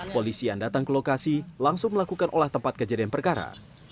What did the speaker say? polisi yang datang ke lokasi langsung melakukan olah tempat kejadian perkara